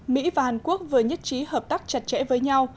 mỹ và hàn quốc vừa nhất trí hợp tác chặt chẽ với nhau